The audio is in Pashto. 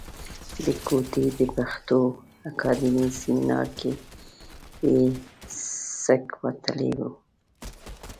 د کوټې د پښتو اکاډمۍ سیمنار کې یې سک وتلی و.